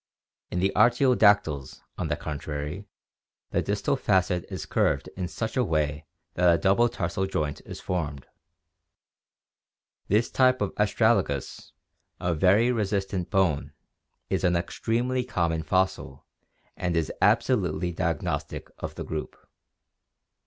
In the artiodactyls, on the contrary, the distal facet is curved in such a way that a dou ble tarsal joint is formed. This type of astragalus, a very resistant bone, is an extremely common fossil and is absolutely diagnostic of the group.